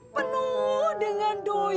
penuh dengan doi